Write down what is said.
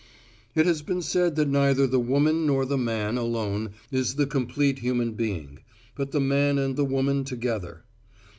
It has been said that neither the woman nor the man alone is the complete human being, but the man and the woman together.